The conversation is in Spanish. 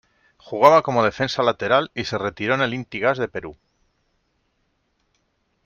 Jugaba como defensa lateral y se retiró en el Inti Gas de Perú.